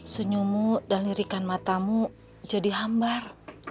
senyummu dan lirikan matamu jadi hambar